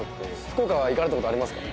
福岡は行かれた事ありますか？